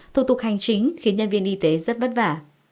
thủ tục hành chính khiến nhân viên y tế rất vất vả